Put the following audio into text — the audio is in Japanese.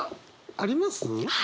あります！